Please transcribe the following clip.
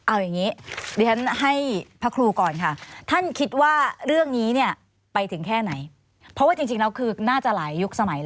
อ้าวเอาอย่างนี้เดี๋ยวฉันให้พคลูก่อนค่ะ